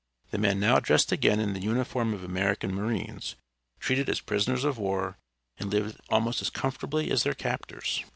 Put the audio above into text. The men now dressed again in the uniform of American marines, were treated as prisoners of war, and lived almost as comfortably as their captors.